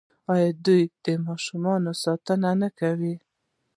آیا دوی د ماشومانو ساتنه نه کوي؟